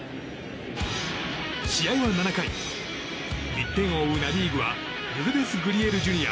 試合は７回１点を追うナ・リーグはルルデス・グリエルＪｒ．。